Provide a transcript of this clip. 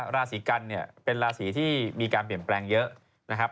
ราศีกันเนี่ยเป็นราศีที่มีการเปลี่ยนแปลงเยอะนะครับ